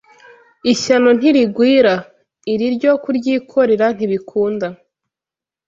ishyano ntirigwira, iri ryo kuryikorera ntibikunda